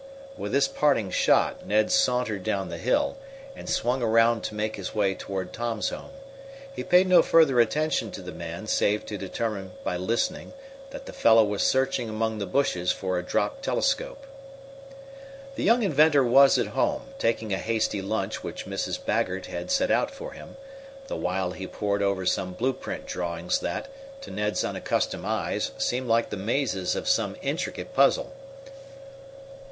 With this parting shot Ned sauntered down the hill, and swung around to make his way toward Tom's home. He paid no further attention to the man, save to determine, by listening, that the fellow was searching among the bushes for the dropped telescope. The young inventor was at home, taking a hasty lunch which Mrs. Baggert had set out for him, the while he poured over some blueprint drawings that, to Ned's unaccustomed eyes, looked like the mazes of some intricate puzzle.